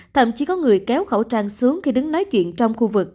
thậm chí có người kéo khẩu trang xuống khi đứng nói chuyện trong khu vực